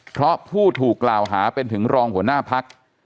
เพราะผู้ถูกราวหาเป็นถึงรองมาร่องหน้าภักรณ์